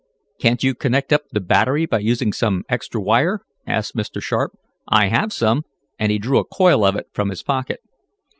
"Can't you connect up the battery by using some extra wire?" asked Mr. Sharp. "I have some," and he drew a coil of it from his pocket.